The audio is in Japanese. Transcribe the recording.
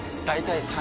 大体。